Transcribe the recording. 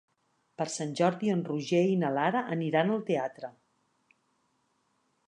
Per Sant Jordi en Roger i na Lara aniran al teatre.